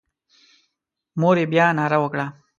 مور یې بیا ناره وکړه.